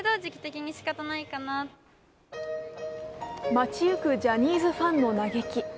街行くジャニーズファンの嘆き。